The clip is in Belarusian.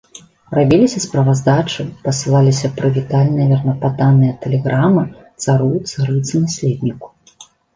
Рабіліся справаздачы, пасылаліся прывітальныя вернападданыя тэлеграмы цару, царыцы, наследніку.